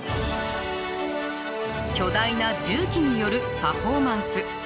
巨大な重機によるパフォーマンス。